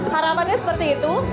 harapannya seperti itu